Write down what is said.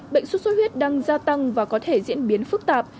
bệnh sốt xuất huyết đang gia tăng và có thể diễn biến phức tạp